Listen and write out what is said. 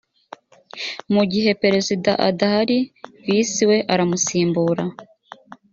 mu gihe perezida adahari visi we aramusimbura